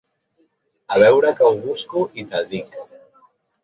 A veure que ho busco i te'l dic.